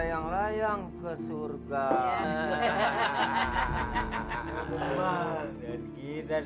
kaka akan buktikan semuanya li